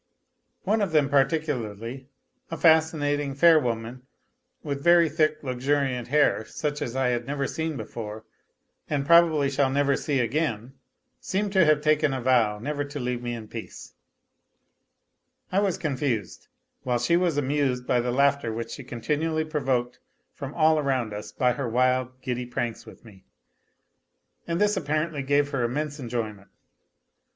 One of them particularly, a fascinating, fair woman, with very thick luxuriant hair, such as I had never seen before and probably shall never see again, seemed to have taken a vow never to leave me in peace. I was confused, while she was amused by the laughter which she continually provoked from all around us by her wild, giddy prinks with me, and this apparently gave her immense enjoy A LITTLE HERO 225 ment.